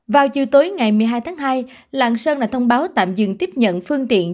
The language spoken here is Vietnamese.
vào chiều tối ngày một mươi hai tháng hai lạng sơn đã thông báo tạm dừng tiếp nhận phương tiện